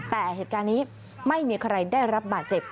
แต่เหตุการณ์นี้ไม่มีใครได้รับบาดเจ็บ